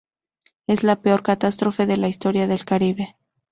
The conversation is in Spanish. Es la peor catástrofe de la historia del Caribe.